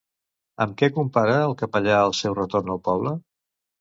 Amb què compara el capellà el seu retorn al poble?